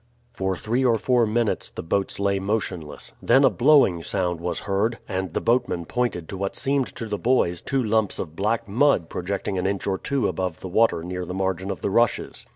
For three or four minutes the boats lay motionless, then a blowing sound was heard, and the boatman pointed to what seemed to the boys two lumps of black mud projecting an inch or two above the water near the margin of the rushes.